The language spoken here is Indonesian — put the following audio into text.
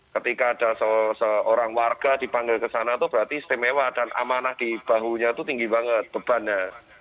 ketika ada seorang warga dipanggil ke sana itu berarti istimewa dan amanah di bahunya itu tinggi banget bebannya